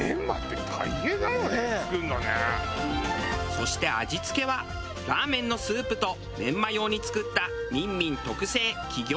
そして味付けはラーメンのスープとメンマ用に作ったみんみん特製企業秘密の出汁。